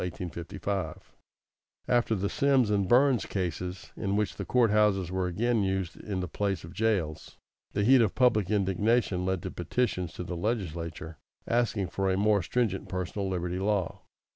After the Sims and Burns cases, in which the court houses were again used in the place of jails, the heat of public indignation led to petitions to the legislature asking for a more stringent personal liberty law.